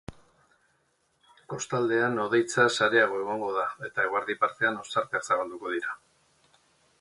Kostaldean hodeitza sareago egongo da eta eguerdi partean ostarteak zabalduko dira.